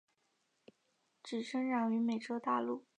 只生长于美洲大陆。